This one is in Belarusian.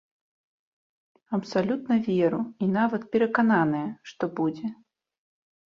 Абсалютна веру і нават перакананая, што будзе.